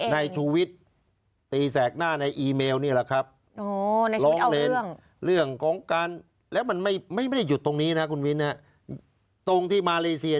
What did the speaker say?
คือเพิ่มเป็นข่าวไปเมื่อไม่นานมานี้เอง